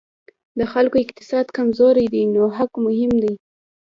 د خلکو اقتصاد کمزوری دی نو حق مهم دی.